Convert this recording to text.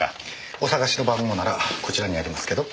お探しの番号ならこちらにありますけど。